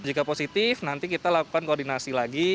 jika positif nanti kita lakukan koordinasi lagi